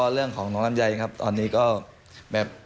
เรื่องของน้องลำไยครับตอนนี้ก็แบบ